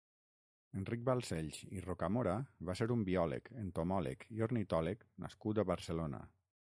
Enric Balcells i Rocamora va ser un biòleg, entomòleg i ornitòleg nascut a Barcelona.